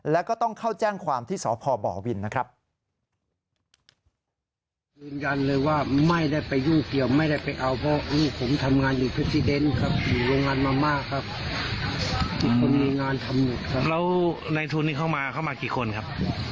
แล้วก็ต้องเข้าแจ้งความที่สพบวินนะครับ